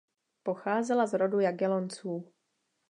Pocházela z rodu Jagellonců.